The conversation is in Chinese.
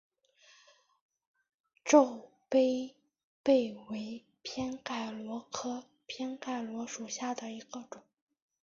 皱杯贝为偏盖螺科偏盖螺属下的一个种。